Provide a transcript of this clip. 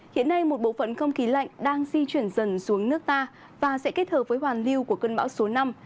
hiện nay một bộ phận không khí lạnh đang di chuyển dần xuống nước ta và sẽ kết hợp với hoàn lưu của cơn bão số năm